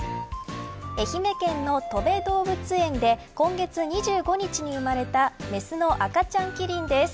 愛媛県のとべ動物園で今月２５日に生まれたメスの赤ちゃんキリンです。